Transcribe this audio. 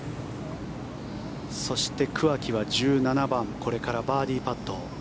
そして桑木は１７番これからバーディーパット。